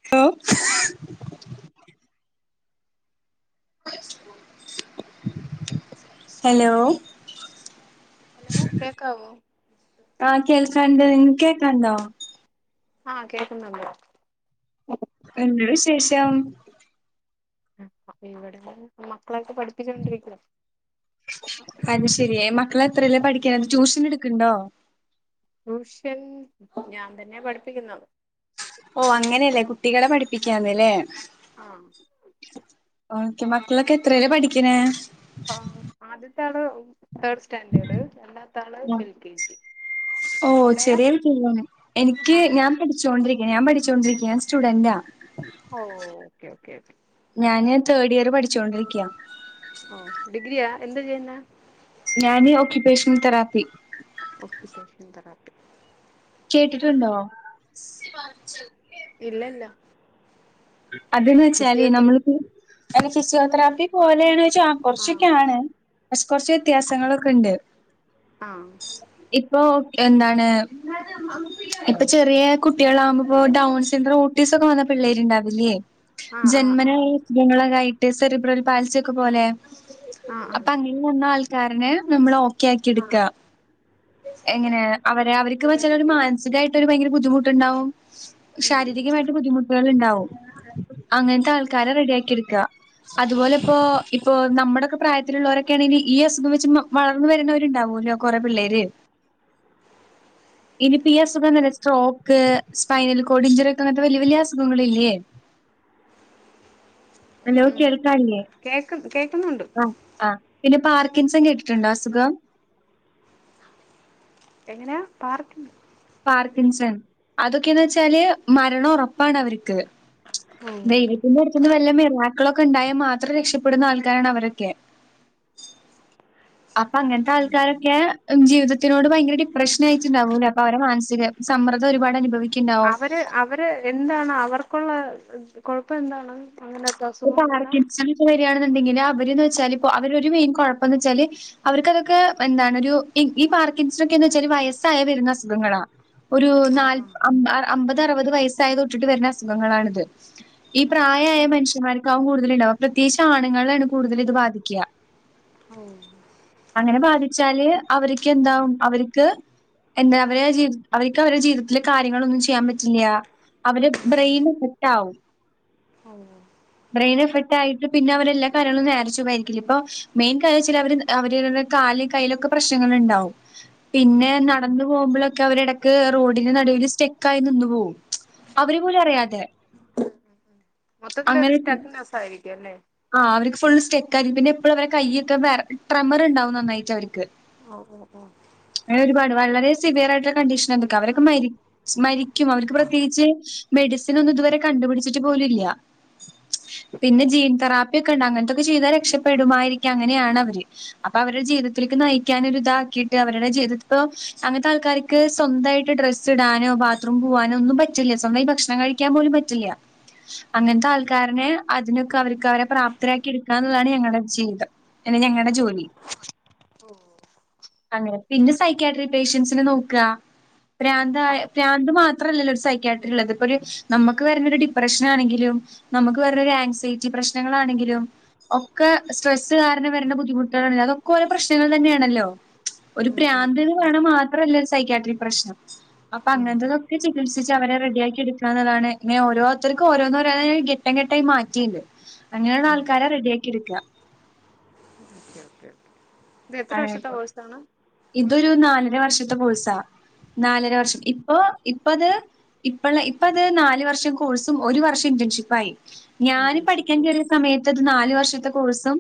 [inaudible] Hello hello കേക്കാവോ ആ കേൾക്കാണ്ട് ന്നിങ്ങൾ കേൾക്കാണ്ടോ ആ കേക്കുന്നുണ്ട് എന്താ വിശേഷം ഇവിടെ മക്കളൊക്കെ പഠിപ്പിച്ചോണ്ടിരിക്കുവാ അത് ശെരി മക്കള എത്രേലാ പഠിക്ക്ണത് ട്യൂഷൻ ഇട്ക്ക്ണ്ടോ ട്യൂഷൻ ഞാൻ തന്നെയാ പഠിപ്പിക്കുന്നത് ഓ അങ്ങനെല്ലേ കുട്ടികളെ പഠിപ്പിക്കാന്ന് ല്ലേ ആ ഓക്കെ മക്കളൊക്കെ എത്രേലാ പഠിക്ക് ണേ ആ ആദ്യത്താള് തേർഡ് സ്റ്റാൻഡേർഡ് രണ്ടാമത്താള് എൽ കെ ജി ഓ അവിടെയാ ചെറിയ കുട്ടികളാണോ എനിക്ക് ആഹ് ഞാൻ പഠിച്ചോണ്ടിരിക്യ ഞാൻ പഠിച്ചോണ്ടിരിക്യ ഞാൻ സ്റ്റുഡന്റാ ഓ ഓക്കേ ഓക്കേ ഓക്കെ ഞാന് തേർഡിയറ് പഠിച്ചോണ്ടിരിക്യാ ഓ ഡിഗ്രിയാ എന്താ ചെയ്യുന്നേ ഞാന് ഒക്യുപേഷണൽ തെറാപ്പി ഒക്ക്യുപേഷൻ തെറാപ്പി കേട്ടിട്ടുണ്ടോ ഇല്ലല്ല അതന്ന് വെച്ചാല് ഫിസിയോത് നമ്മള്പ്പോ ഫിസിയോതെറാപ്പി പോലെണ് ച്ചാൽ ആഹ് കുറച്ചൊക്കെയാണ് പക്ഷേ കൊറച്ച് വ്യത്യാസങ്ങളൊക്കെ ഇണ്ട് ആഹ് ഇപ്പൊ എന്നാണ് ഇപ്പൊ ചെറിയ കുട്ടികളാകുമ്പോ പൊ ഡൗൺസിഡ്രാേട്ടീസം ഒക്കെ വന്ന പിള്ളേര്ണ്ടാവ് ല്ല്യേ ആഹ് ആഹ് ആഹ് ആഹ് ജന്മനാസുഖങ്ങളക്കായിട്ട് സെറിബ്രൽ പാലിസ്വക്കെ പോലെ ആഹ് അപ്പൊ അങ്ങനെ വന്ന ആൾക്കാരനെ നമ്മള് ഓക്കെ ആക്കി എടുക്ക എങ്ങനെ അവരെ അവർക്ക് വെച്ചാൽ ഒരു മാനസികായിട്ടൊരു ഭയങ്കര ബുദ്ധിമുട്ട്ണ്ടാവും ഉം ഉം ശാരീരികമായിട്ട് ബുദ്ധിമുട്ടുകള് ഇണ്ടാവും അങ്ങൻത്തെ ആൾക്കാരെ റെഡിയാക്കി ഇട്ക്ക അതുപോലെ ഇപ്പോ ഇപ്പോ നമ്മുടെക്കെ പ്രായത്തിലുള്ളവരൊക്കെണെങ്കിൽ ഈ അസുഖം വെച്ച് മ വളർന്നു വരുന്നവരുണ്ടാവോല്ലോ കൊറെ പിള്ളേര് ഇനിപ്പി ഈ അസുഖംന്നല്ല സ്ട്രോക്ക് സ്പൈനൽ കോഡ് ഇഞ്ചറി ഒക്കെ അങ്ങൻത്തെ വല്ല്യ വല്ല്യഅസുഖങ്ങള് ഇല്ലേ ഉം ഹലോ ഉം കേൾക്കാല്ലേ കേക്ക് കേക്കുന്നുണ്ട് ആഹ് ആഹ് പിന്നെ പാർക്കിങ്സം കേട്ടിട്ട്ണ്ടോ അസുഖം എങ്ങെന്യാ പാർക്ക്- പാർക്കിൻസൺ അതൊക്കെയന്ന് വെച്ചാല് മരണം ഉറപ്പാണ് അവര്ക്ക് ഓഹ് ദൈവത്തിന്റെ അടുത്തുന്ന് വല്ല മിറാക്ക്ളൊക്കെ ഇണ്ടായാ മാത്രം രക്ഷപ്പെടുന്ന ആൾക്കാരാണ് അവരൊക്കെ അപ്പൊ അങ്ങൻത്തെ ആൾക്കാരൊക്കെ ജീവിതത്തിനോട് ഭയങ്കര ഡിപ്രഷൻ ആയിട്ട്ണ്ടാവൂലേ അപ്പൊ അവരെ മനസിക- സമ്മർദം ഒരുപാട് അനുഭവിക്ക്- അവര് അവര് എന്താണ് അവർക്കുള്ള കുഴപ്പം എന്താണ് അങ്ങനത്തെ ഈ അസുഖം വന്നാ പാർക്കിൻസൻ ക്കെ വര്യാണ്ന്ന്ണ്ടെങ്കില് അവര്ന്ന് വെച്ചാല് ഇപ്പോഅവരൊരു മെയിൻ കുഴപ്പംന്ന് വെച്ചാല് അവർക്ക് അതൊക്കെ എന്താണ് ഒരു ഇ ഈ പാർക്കിൻസൊക്കെന്ന് വെച്ചാരു വയസ്സായ വര്ന്ന അസുഖങ്ങളാ ഒരു ആഹ് നാൽപ് അമ്പ് അർ അമ്പത് അറ്പത് വയസ് സായതൊട്ടിട്ട് വര്ന്ന അസുഖങ്ങളാണ്ത് ഈ പ്രായായമനുഷ്യ- റ്റമാര്ക്കാവും കടുതല്ണ്ടാവ പ്രത്യേകിച്ചാണ്ങ്ങളെണ് കൂടുതല് ഇത് ബാധിക്ക്യാ ഓഹ് അങ്ങനെ ബാധിച്ചാല് അവര്ക്ക് എന്താവും അവർക്ക് എന്താ അവരെ ജീവ് അവര്ക്ക് അവരെ ജീവിതത്തില് കാര്യങ്ങളൊന്നും ചെയ്യാംപറ്റില്ല അവര് ബ്രെയിന് പുട്ടാവും ഓഹ് ബ്രെയിന് എഫക്റ്റ് ആയിട്ട് പിന്നെ അവരെ എല്ലാ കാര്യങ്ങളും നേരെചൊവ്വായിരിക്കില്ല ഇപ്പൊ മെയിൻ കാര്യായ്ച്ചയ്ഞ്ഞാഅവര് അവര്ടെ കാല് കയ്യ്ലൊക്കെ പ്രശ്നങ്ങള് ഇണ്ടാവും പിന്നെ നടന്ന് പോകുമ്പഴൊക്കെ അവര് ഇടക്ക് റോഡിന് നടുവില് സ്റ്റെക്കായി നിന്ന് പോകും അവര് പോലും അറിയാതെ മൊത്തത്തിലൊരു സ്റ്റക്നസ്സ് ആയിരിക്കും അല്ലെ ആഅ് അവര്ക്ക് ഫുള്ള് സ്റ്റെക്കായി പിന്നെ എപ്പഴും അവരെ കയ്യൊക്കെ വേറ ട്രെമ്മറ് ഇണ്ടാവും നന്നായിട്ട് അവര്ക്ക് ഓഹ് ഓഹ് ഓഹ് അങ്ങനെ ഒരുപാട് വളരെ സിവിയറായിട്ട്ള്ള കണ്ടീഷൻ എന്തൊക്കെ അവരൊക്കെ മരിക്കും സ്മരിക്കും അവർക്ക് പ്രത്യേകിച്ച് മെഡിസി പിന്നെ ജീൻ തെറാപ്പി ഒക്കെ ഉണ്ട് അങ്ങനത്തൊക്കെ ചെയ്താൽ രക്ഷപെടുമായിരിക്കും അങ്ങനെയാണ് അവര് അപ്പൊ അവരെ ജീവിതത്തിലേക്ക് നയിക്കാൻ ഒര് ഇതാക്കിയിട്ട് അവരുടെ ജീവിതോ അങ്ങനത്തെ ആൾക്കാര ക്ക് സ്വന്തമായിട്ട് ഡ്രസ്സ് ഇടാനോ ബാത്റൂം പോവാനോ ഒന്നും പറ്റില്ല സ്വന്തമായി ഭക്ഷണം കഴിക്കാൻ പോലും പറ്റില്ല അങ്ങനത്തെ ആൾക്കാരനെ അതിനൊക്കെ അവർ അവരെ പ്രാപ്തരാക്കി എടുക്കുക എന്നുള്ളതാണ് ഞങ്ങളുടെ ജീവിതം അന്നെ ഞങ്ങളുടെ ജോലി ഓ അങ്ങനെ പിന്നെ സൈക്കയാട്രി പേഷ്യൻസിനെ നോക്ക പ്രാന്ത ആ പ്രാന്ത് മാത്രമല്ലോ ഒരു സൈക്കാട്ട്ര ഉള്ളത് ഇപ്പൊ ഒരു നമുക്ക് വരുന്ന ഒരു ഡിപ്രഷന ആണെങ്കിലും നമുക്ക് വരുന്ന ഒരു ആൻസൈറ്റി പ്രശ്നങ്ങളാണെങ്കിലും ഒക്കെ സ്ട്രെസ്സ് കാരണം വരുന്ന ബുദ്ധിമുട്ടുകളൾന്നെ അതൊക്കെ ഓലോ പ്രശ്നങ്ങൾ തന്നെയാണല്ലോ ഒരു ഉം ഉം ഉം പ്രാന്ത്ന്ന് ഉം കാണാന് മാത്രല്ല സൈക്കാട്രിക് പ്രശ്നം അപ്പൊ അ ഉം ങ്ങതൊക്കെ ചികിത്സിച്ച് അവരെ റെഡിയാക്കി എടുക്കാ എന്നതാണ് ഇങ്ങനെ ഓരോരുത്തർക്കും ഓരോന്നോരോന്നായി ഘട്ടംഘട്ടംയി മാറ്റിണ്ട് അങ്ങനെയുള്ള ആൾക്കാരെ റെഡിയാക്കി എട്ക. ഇത് എത്ര വർഷത്തെ അങ്ങനെയൊക്കെ കോഴ്സ് സാണ് ഇതൊരു നാലര വർഷത്തെ കോഴ്സ്, നാലര വർഷം ഇപ്പൊ ഇപ്പ അത് ഇപ്പള് ഇപ്പത് നാല് വർഷം കോഴ്സും ഒരു വർഷം ഇന്റേൺഷിപ്പ ആയി ഞാന് പഠിക്കാൻ ഇന്റേൺഷിപ്പ് കേറി സമയത്ത്ത് നാല് വർഷത്തെ കോഴ്സും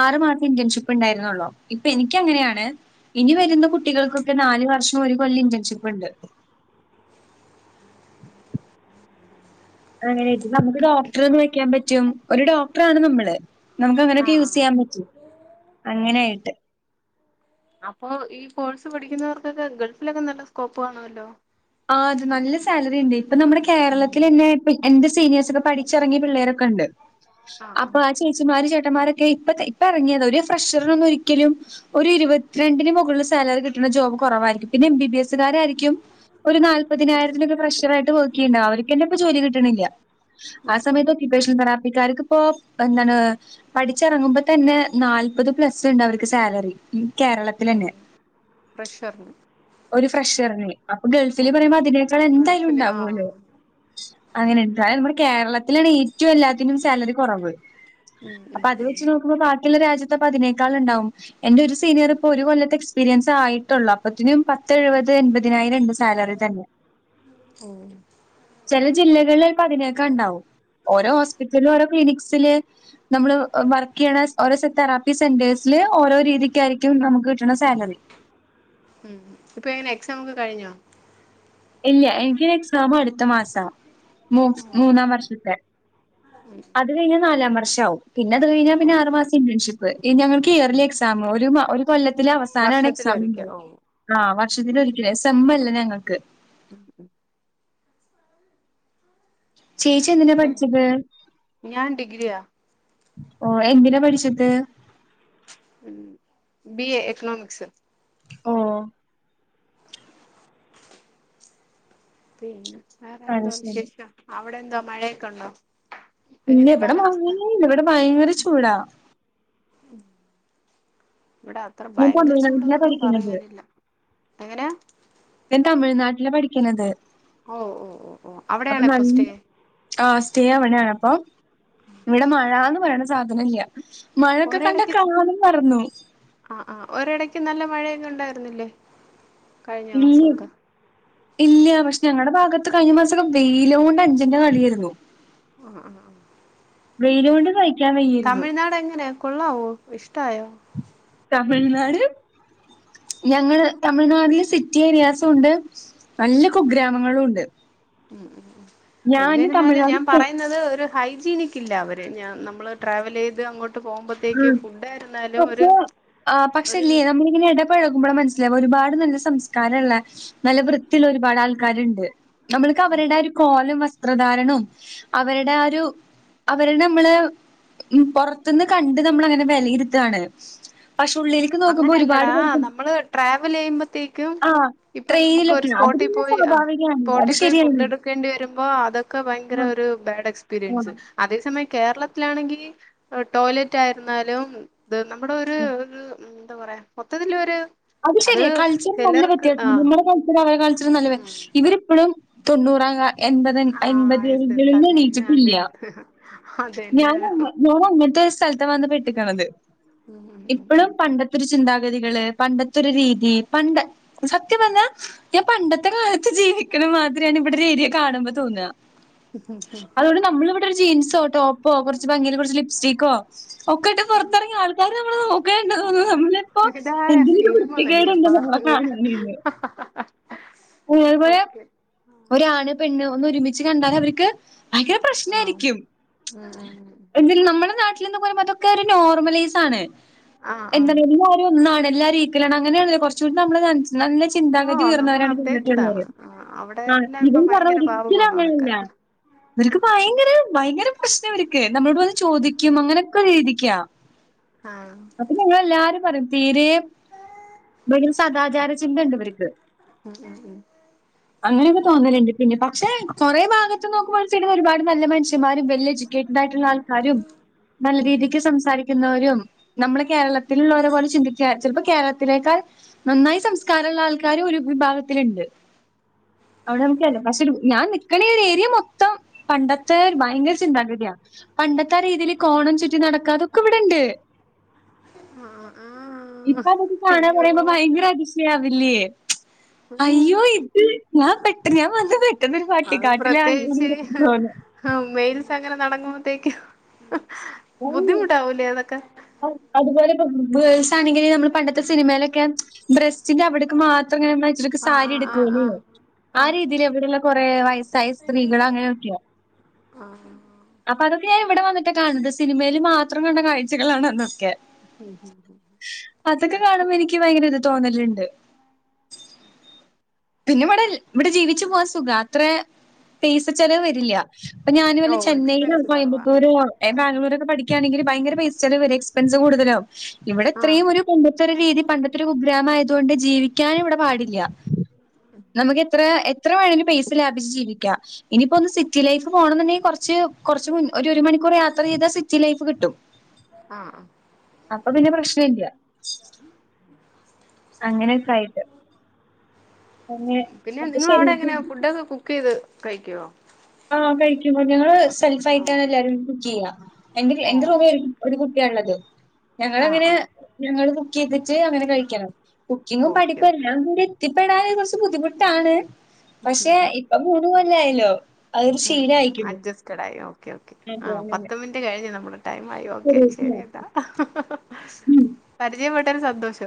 ആറു മാസം ഇന്റേൺഷിപ്പ് ഉണ്ടായിരുന്നള്ളൂ ഇപ്പൊ എനിക്ക് അങ്ങനെയാണ് ഇനി വരുന്ന കുട്ടികൾക്കൊക്കെ നാല് വർഷം ഒരു കൊല്ലം ഇന്റേൺഷിപ്പ് ഇണ്ട്. അങ്ങനെ നമുക്ക് ഡോക്ടർന്ന് വെക്കാൻ പറ്റും ഒരു ഡോക്ടറാണ് നമ്മള്. നമുക്ക് അങ്ങനെയൊക്കെ ആഹ് യൂസ് ആഹ് ചെയ്യാൻ പറ്റൂ അങ്ങനൊയിട്ട് അപ്പൊ ഈ കോഴ്സ് പഠിക്കുന്നവർക്കൊക്കെ ഗൾഫിലൊക്കെ നല്ല സ്കോപ്പ് കണോല്ലോ ആ അത് നല്ല സാലറിണ്ട് ഇപ്പൊ നമ്മുടെ ഉം കേരളത്തിൽലെന്നേ എന്റെ സീനിയേഴ്സ് ഒക്കെ പഠി ച്ചറങ്ങിയ പിള്ളേരൊക്കെ ഇണ്ട്. ആഹ് അപ്പൊ ആഹ് ആ ചേച്ചിമാരും ചേട്ടന്മാരൊക്കെ ഇപ്പ ഇപ്പ ഇറങ്ങിയത ഒരു ഫ്രഷറിനൊന്നും ഒരിക്കലും ഒരു ഇരുപത്തിരണ്ടിന് മുകളിൽ സാലറി കിട്ടുന്ന ജോബ് കുറവായിരിക്കും, പിന്നെ എം ബി ബി എസ്കാരായിരിക്കും ഒരു നാല്പതിനായിരത്തിനൊക്കെ പ്രഷർയിട്ട് വർക്ക് ചെയ്യണ്ടാവ അവർക്ക്ന്നെപ്പൊ ജോലി കിട്ടണില്ല. ആ ഉം ഉം സമയത്തോ ഉം കിപേഷൻ തറപ്പിക്കാർക്ക് ഇപ്പപ്പോന്താണ് പഠിച്ചിറങ്ങുമ്പോ തന്നെ നാല്പത് പ്ലസ്ണ്ട് അവർക്ക് സാലറി കേരളത്തിൽ തന്നെ. [inaudible] പ്രഷർന് ഒരു ഫ്രഷറിന് അപ്പൊ ഗൾഫില് പറയുമ്പോ അതിനേക്കാൾ എന്തായാലും ഗൾഫില് ആഹ് ഉണ്ടാവോല്ലോ. അങ്ങനെണ്ട് നമ്മുടെ കേരളത്തിലാണ് ഏറ്റവും എല്ലാത്തിനും സാലറി കുറവ്. ഉം അപ്പൊ ഉം അത് ഉം വെച്ച് നോക്കുമ്പോ ബാക്കിയുള്ള രാജ്യത്ത്പ്പൊ അതിനേക്കാൾ ഉണ്ടാവും. എന്റെ ഒരു സീനിയർ ഇപ്പോ ഒരു കൊല്ലത്തെ എക്സ്പീരിയൻസ് ആയിട്ടുള്ളൂ. അപ്പത്തിനും പത്ത് എഴുപത് എൺപതിനായിരംണ്ട് സാലറിതന്നെ ഉം ചില ജില്ലകളിൽപ്പോ അതിനൊകൾ ഉണ്ടാകും ഓരോ ഹോസ്പിറ്റല ഓരോ ക്ലിനിക്സില് നമ്മള് വർക്കയ്ണഓരോ തെറാപ്പി സെന്റേഴ്സില് ഓരോ രീതിക്കായിരിക്കും നമുക്ക് കിട്ടണ സാലറി ഉം ഇപ്പൊ എങ്ങനെ എക്സാം ക്കെ കഴിഞ്ഞോ? ഇല്ല എനിക്കൊരു എക്സാം അടുത്ത മാസാ, മൂ മൂന്നാം വർഷത്തെ. മം അത് കഴിഞ്ഞാൽ നാലാം വർഷവും പിന്നെ അത് കഴിഞ്ഞാ ഓ പിന്നെ ആറ് മാസം ഇന്റേൺഷിപ്പ് ഞങ്ങക്ക് ഇയർലി എക്സാം ഒരു ഒരു ഒരു കൊല്ലത്തിലെ അവസാനാണ് എക്സാം വർഷത്തിലൊരിക്ക ഉള്ളത് ഓ ആ വർഷത്തിലൊരിക്കല് സംമല്ല ഞങ്ങക്ക്. [inaudible] ചേച്ചി എന്തിനാ പഠിച്ചത്. ഞാൻ ഡിഗ്രിയാ ഓ എന്തിനാ പഠിച്ചത്. ഉം ബി എ ഇക്കണോമിക്സ് ഓ പിന്നെ അത് വേറെന്തോ ശരി. വിശേഷം അവിടെ എന്തോ മഴയൊക്കെ ഉണ്ടോ. പിന്നെ എങ്ങനെയാ ഇവിടെ കാലാവസ്ഥ മയല്ല ഇവിടെ ഭയങ്കര ചൂടാ. ഇവിടെ അത്ര ഞാൻ ഭയങ്കര തമിഴ്നാട്ടിലാ ചൂടൊന്നൊന്നും പഠിക്കുന്നത്. പറയാനില്ല എങ്ങനാ ഞാൻ തമിഴ്നാട്ടില് പഠിക്കുന്നത് ഓ ഓ ഓ ഓ അവിടെയാണോ ഇപ്പോ സ്റ്റേ ആ സ്റ്റേ ആവണാണ് അപ്പൊ ഇവിടെ മഴന്ന് പറയണ സാധനല്ല മഴൊക്കെ കണ്ട ഒരിടക്ക് കാലം മറന്നു ആ ആ ഒരിടയ്ക്ക് നല്ല മഴയൊക്കെ ഉണ്ടായിരുനില്ലേ [unintelligible] ഇല്ല പക്ഷെ ഞങ്ങളുടെ ഭാഗത്ത് കഴിഞ്ഞ മാസമൊക്കെ വെയില കൊണ്ട് അഞ്ചെന്റെ കളിയായിരുന്നു ഉഹ ഉ [unintelligible] തമിഴ്നാട് എങ്ങനെയ കൊള്ളാവോ ഇഷ്ടായോ തമിഴ്നാട് ഞങ്ങള് തമിഴ്നാട്ടില് സിറ്റി അറിയാത്തോണ്ട് നല്ല കു ഗ്രാമങ്ങളും ഉണ്ട് ഉ ഉ ഉ ഞാന് എന്നിരുന്നാലും തമിഴ്നാട് ഞാൻ പറയുന്നത് ഒരു ഹൈജീനിക്ക ഇല്ല അവർ ഞാൻ നമ്മൾ ട്രാവൽ ചെയ്ത് അങ്ങോട്ട് പോകുമ്പോൾ ത്തേക്ക് ഫുഡായിരുന്നാലും ഒരു ഒരു ഇങ്ങനെ ഇടപഴകുമ്പോൾ മനസ്സിലാവ ഒരുപാട് നല്ല സംസ്കാരമള്ള നല്ല വൃത്തിൽ ഒരുപാട് ആൾക്കാരുണ്ട് നമ്മൾക്ക് അവരുടെ ഒരു കോലും വസ്ത്രധാരണവും അവരുടെ ആ ഒരു അവരുടെ നമ്മള് ഉം പൊറത്തുന്ന് കണ്ട് നമ്മൾ അങ്ങനെ വിലയിരുത്തുകയാണ് പക്ഷേ ഉള്ളി അങ്ങനെ അല്ലടാ നമ്മള് ട്രാവൽ ചെയ്യുമ്പോത്തേക്കും ആഹ് ഇപ്പൾ നമുക്ക് ഒരു ട്രെയിനിലൊക്കെ അത് സ്പോട്ടിൽ പിന്നെ പോയി ആ സ്വാഭാവികാണ് അത് സ്പോട്ടിൽ പോയി ഫുഡ് ശരിയാണ്. എടുക്കേണ്ടി വരുമ്പോൾ അതൊക്കെ ഭയങ്കര ആഹ് ഒരു ബാഡ് എക്സ്പീരിയൻസ് ആഹ് അതേ സമയം കേരളത്തിലാണെങ്കിൽ ടോയ്ലറ്റ് ആയിരുന്നാലും ഇത് നമ്മുടെ ഒരു എന്താ പറയാ മൊത്തത്തിൽ ഒരു അത് ശരിയ കൾച്ചർ നല്ല വ്യത്യാസ [unintelligible] അവ കാളിച്ച നല്ലവ ഇവരിപ്പോഴും തൊണ്ൂറാം എൺപത് ആഹ് എൺപത് യെസ് യെസ് ഏജ്കളിൽ അതന്നെ എണിയിച്ചിട്ടില്ല [unintelligible] ഞൻ ഞാൻ അങ്ങത്തെ ഒരു സ്ഥലത്ത് വന്ന് പെട്ടിട്ടുള്ളത് ഉം ഉം ഉം ഇപ്പോഴും പണ്ടത്തെ രു ചിന്താഗതികള് പണ്ടത്തൊരു രീതി പണ്ട സത്യം പറഞ്ഞ ഞാൻ പണ്ടത്തെ കാലത്ത് ജീവിക്കണ മാത്രോണ് ഇവിടെ ഒരു ഏരിയെ കാണുമ്പോ തോന്നിയ അതുകൊണ്ട് നമ്മൾവിടെ ഒരു ജീൻസോ ടോപ്പോോ കുറച്ച് ഭയ കുറച്ച് ലിപ്സ്റ്റിക്കോ ഒക്കെട്ട് പുൊറത്തിറങ്ങി ആൾക്കാര് നമ്മൾ നോക്കണ്ട തോന്നുന്നു നമ്മളിപ്പോ ഇതാരാ എന്ത സീനും വന്നടി അപ്പ അങ്ങനെ [unintelligible] ഓക്കെ ഒരാണ് പെണ്ണ് ഒന്ന് ഒരുമിച്ച് കണ്ടാൽ അവർക്ക് ഭയങ്കര പ്രശ്ന ആഹ് ആയിരിക്കും ഉം ഉം എന്തിന് നമ്മുടെ നാട്ടിലന്ന് പറയുമ്പോ അതൊക്കെ നോർമലൈ [unintelligible] ആഹ് എല്ല ആഹ് ആരും ഒന്നാണ് എല്ലരുംക്കല അങ്ങനെയണ കുറച്ചൂ നമ്മ നല്ല ചിന്താഗതി ഓഹ് നമ്മൾ ഉയർന്നവരാണ് അപ്ഡേറ്റഡ് ആണ് [unintelligible] ആ, അവിടെ ആഹ എല്ലാം ഇപ്പൊ ഇതന്ന് പറഞ്ഞ ഭയങ്കര ഒരിക്കലും പാവമാണ് അതൊക്കെ അങ്ങനെല്ല ഇവർക്ക് ഭയങ്കര ഭയങ്കര പ്രശ്നം ഇവർക്ക് നമ്മളോട് വന്ന് ചോദിക്കും അങ്ങനെ രീതിക്ക ആഹ് അപ്പൊ ഞങ്ങെല്ലാരും പറയും തീരെ ഒരു സദാചാര ചിന്ത ഉണ്ട് ഇവർക്ക് ഉം ഉം ഉം അങ്ങനെയൊക്കെ തോന്നലുണ്ട് പിന്നെ പക്ഷേ കുറേ ഭാഗത്ത് നോക്കുമ്പോഴത്തേും ഒരുപാട് നല്ല മനുഷ്യന്മാരുംെ [unintelligible] എഡ്യൂക്കേറ്റഡ് ആയിട്ടുള്ള ആൾക്കാരും നല്ല രീതിക്ക് സംസാരിക്കുന്നവരും നമ്മള് കേരളത്തിലുള്ളള്ളവരെ പോലെ ചിന്തിക്ക ചിലപ്പോ കേരളത്തിലേക്കാൾ നന്നായി സംസ്കാരള്ള ആൾക്കാര് ഒരു വിഭാഗത്തില്ണ്ട് [unintelligible] അവിടെ നമുക്കല്ലേ പക്ഷെ ഞാൻ നിക്കണ ഒരു ഏരിയ മൊത്തം പണ്ടത്തെ ഭയങ്കര ചിന്താഗതിയ പണ്ടത്തെ ആ രീതിയിൽ കോണം ചുറ്റി നടക്കാ അതൊക്കെ ഇവിടെണ്ട് ആഹ് ആഹ് ഇപ്പതൊക്കെ കാണാന്ന് അയ്യോ പറയുമ്പോ ഭയങ്കര അതിശയാവില്ല്യേ ഉ ഞാൻ പെട്ട് ഞാൻ വന്ന് പെട്ടെതൊരു പട്ടിക്കാട്ടിലാണെന്ന് തോന്നും ആ മെയിൽസ് അങ്ങനെ നടങ്ങുമ്പോത്തേക്ക് ബുദ്ധിമുട്ടാവൂലേ അതൊക്കെ അത് അതുപോലെ ഇപ്പം വേയ്‌സ് ആണെങ്കിലും നമ്മൾ പണ്ടത്തെ സിനിമയിലൊക്കെ ബ്രസ്റ്റ്ന്റെ അവിടക്ക് മാ അത്രങ്ങനെച്ചരിക്ക് [unintelligible] ആഹ് സാരി ആഹ് എടുക്കുലെ ആഹ് ആ ആഹ് രീതിൽ ഇവിടെള്ള കൊറെ വയസ്സായ സ്ത്രീകൾ അങ്ങനെയൊക്കെയാ ആഹ് അപ്പൊ അതൊക്കെ ഞാൻ ഇവിടെ വന്നിട്ട് കാണുന്നത് സിനിമയിൽ മാത്രം കണ്ട കാഴ്ചകളാണ് അന്നൊക്കെ ഉം ഉം ഉം അതൊക്കെ കാണുമ്പോ ഇനിക്ക് ഭയങ്കര ഇത് തോന്നല്ണ്ട് പിന്നെ ഇവിടെ ഇവിടെ ജീവിച്ചു പോവാ സുഖാ അത്രേ പൈസ ചെലവ് വരില്ല അപ്പൊ ഞാന് വല്ല ഓഹ് ചെന്നൈയിലോ, എക്സ്പെൻസ് കൊറവാ കോയമ്പത്തൂരോ, ഉം ബാംഗ്ലൂരൊക്കെ പഠിക്ക ക്യാണെങ്കിൽ ഭയങ്കര പൈസ ചിലവ് വരും. എക്സ്പെൻസ് കൂടുതലാവും ഇവിടെ ആഹ് ഇത്രയും ഒരു പണ്ടത്തെ ഒരു രീതി പണ്ടത്തൊരു കുഗ്രാമായതോണ്ട് ജീവിക്കാനും ഇവിടെ പാടില്ല മ് നമുക്ക് എത്ര എത്ര വേണേലും പൈസ ലാഭിച്ച് ജീവിക്ക ഇനിയിപ്പോ ഒന്ന് സിറ്റിലൈഫ് പോണം ന്നുണ്ടെങ്കിൽ കൊറച്ച് ച്ച് കുറച്ച് മുൻ ഒരു ഒരു മണിക്കൂർ യാത്ര ചെയ്താൽ സിറ്റി ലൈഫ് കിട്ടും ആഹ് ആഹ് അപ്പൊ പിന്നെ പ്രശ്നം ല്ല്യ ഉം [unintelligible] അങ്ങനൊക്കെ ആയിട്ട് അങ്ങനെ പിന്നെ അപ്പൊ നിങ്ങളെ ശരി അവിടെ എങ്ങനെ ഫുഡൊക്കെ കുക്ക് ചെയ്ത് കഴിക്കോ? ആഹ കഴിക്കും ഞങ്ങള് സെൽഫ് ആയിട്ടാണ് ഓഹ് എല്ലാരും കുക്ക് ചെയ്യാ എന്റെ എന്റെ ഓഹ് റൂമില് ഒരു കുട്ടിയാള്ളത് ആഹ് ഞങ്ങളങ്ങനെ ആഹ് ഞങ്ങള് കുക്ക് ചെയ്തിട്ട് അങ്ങനെ കഴിക്കണം കുക്കിങ്ങും ഓക്കെ പഠിപ്പും ഓക്കെ എല്ലാം കൂടി എത്തിപ്പെടാൻ കുറച്ച് ബുദ്ധിമുട്ടാണ് പക്ഷെ ഇപ്പം [unintelligible] ഹ ആ അഡ്ജസ്റ്റ്ട് ആയി ഓക്കെ ഓക്കെ ആ അതെ അങ്ങനെ. പത്ത് മിനിറ്റ് കഴിഞ്ഞു നമ്മുടെ ടൈ ആയി ഓക്കെ ശരിയട്ടൊ ഹ ഹ ഹ ഉം. പരിചയപ്പെട്ടതിന് സന്തോഷം